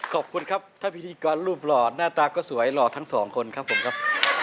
ขอบคุณครับถ้าพิธีกรรูปหล่อหน้าตาก็สวยหล่อทั้งสองคนครับผมครับ